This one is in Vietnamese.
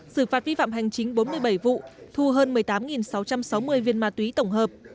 xử phạt vi phạm hành chính bốn mươi bảy vụ thu hơn một mươi tám sáu trăm sáu mươi viên ma túy tổng hợp